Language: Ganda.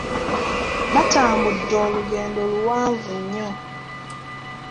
Baatambudde olugendo luwanvu nnyo.